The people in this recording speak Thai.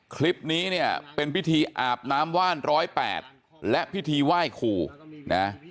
คลิปนี้เนี่ยเป็นพิธีอาบน้ำว่าน๑๐๘และพิธีไหว้ครูนะ